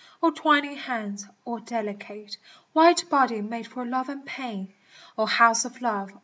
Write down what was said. \ O twining hands ! O delicate White body made for love and pain ! House of love